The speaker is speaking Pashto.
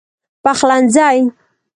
پخلنځی